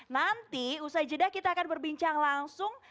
nanti usai jeda kita akan berbincang langsung